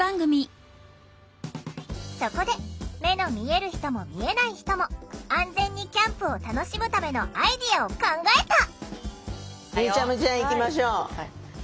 そこで目の見える人も見えない人も安全にキャンプを楽しむためのアイデアを考えた！